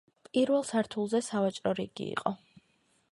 პირველ სართულზე სავაჭრო რიგი იყო.